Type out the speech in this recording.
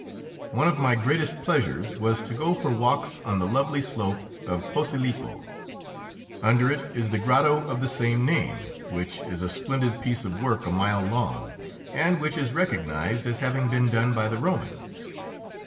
One of my greatest pleasures was to go for walks on the lovely slope of Posilippo. Under it is the grotto of the same name, which is a splendid piece of work a mile long, and which is recognised as having been done by the Romans.